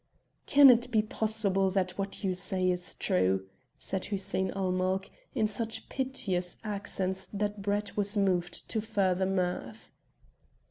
"Can it be possible that what you say is true?" said Hussein ul Mulk, in such piteous accents that Brett was moved to further mirth.